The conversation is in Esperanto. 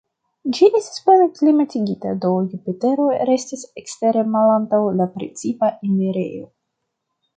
Ĝi estis plene klimatigita, do Jupitero restis ekstere malantaŭ la precipa enirejo.